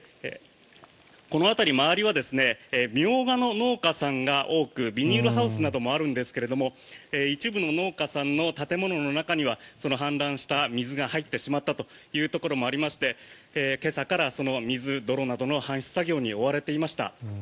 この辺り、周りはミョウガの農家さんが多くビニールハウスなどもあるんですが一部の農家さんの建物の中にはその氾濫した水が入ってしまったというところもありまして今朝からその水、泥などの搬出作業に追われていました。